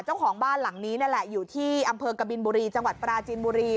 เจ้าของบ้านหลังนี้นั่นแหละอยู่ที่อำเภอกบินบุรีจังหวัดปราจีนบุรี